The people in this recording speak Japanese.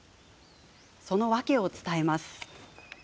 その訳を伝えます。